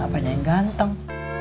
apanya yang ganteng